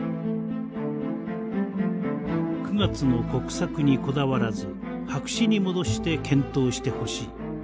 「９月の国策にこだわらず白紙に戻して検討してほしい」。